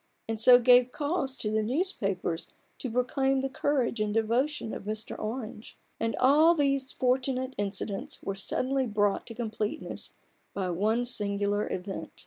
43 and so gave cause to the newspapers to proclaim the courage and devotion of Mr. Orange. And all these fortunate incidents were suddenly brought to completeness by one singular event.